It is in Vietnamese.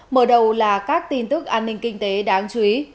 mở đầu là các tin tức an ninh kinh tế đáng chú ý